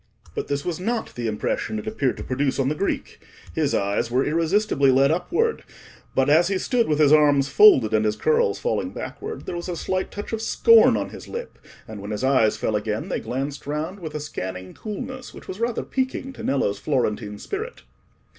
But this was not the impression it appeared to produce on the Greek. His eyes were irresistibly led upward, but as he stood with his arms folded and his curls falling backward, there was a slight touch of scorn on his lip, and when his eyes fell again they glanced round with a scanning coolness which was rather piquing to Nello's Florentine spirit.